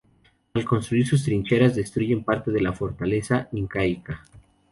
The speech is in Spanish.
Al construir sus trincheras destruyen parte de la fortaleza incaica.